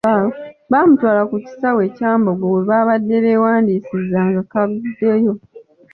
Bamutwala ku kisaawe e Kyambogo we babadde beewandiisiza ngakaguddeyo.